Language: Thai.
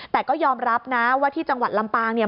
แต่ก็ยอมรับนะว่าที่จังหวัดลำปางเนี่ย